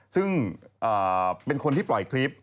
ซึ่งเป็นคนที่ปล่อยคลิป